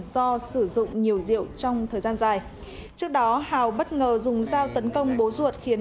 do sử dụng nhiều rượu trong thời gian dài trước đó hào bất ngờ dùng dao tấn công bố ruột khiến